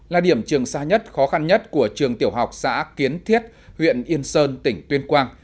là điểm trường xa nhất khó khăn nhất của trường tiểu học xã kiến thiết huyện yên sơn tỉnh tuyên quang